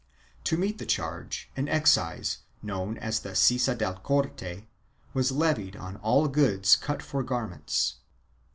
To meet the charge an excise, known as the sisa del corte was levied on all goods cut for garments.